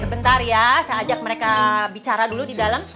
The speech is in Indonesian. sebentar ya saya ajak mereka bicara dulu di dalam